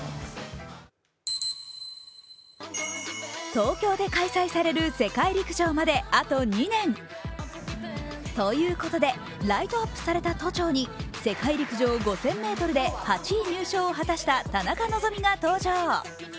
東京で開催される世界陸上まであと２年。ということでライトアップされた都庁に世界陸上５０００ｍで８位入賞を果たした田中希実が登場。